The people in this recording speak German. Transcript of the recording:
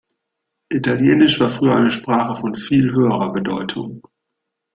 Italienisch war früher eine Sprache von viel höherer Bedeutung.